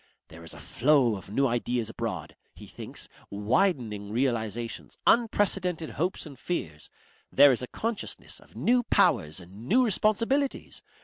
There is a flow of new ideas abroad, he thinks, widening realizations, unprecedented hopes and fears. There is a consciousness of new powers and new responsibilities.